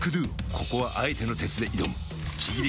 ここはあえての鉄で挑むちぎり